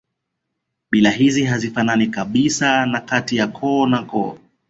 Mila hizi hazifanani kabisa kati ya koo na koo